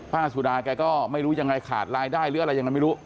สุดาแกก็ไม่รู้ยังไงขาดรายได้หรืออะไรยังไงไม่รู้